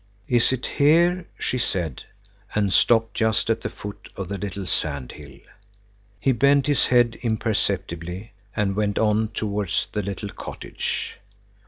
"Is it here?" he said, and stopped just at the foot of the little sand hill. He bent his head imperceptibly and went on towards the little cottage.